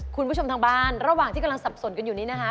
คุณผู้ชมทางบ้านระหว่างที่กำลังสับสนกันอยู่นี้นะคะ